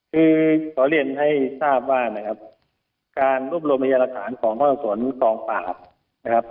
คือขอเรียนให้ทราบว่านะครับการรวบรวมพยาหลักฐานของพ่อสวนกองปราบนะครับ